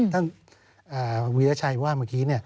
ท่านวีรชัยว่าเมื่อกี้